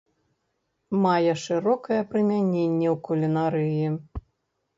Мае шырокае прымяненне ў кулінарыі.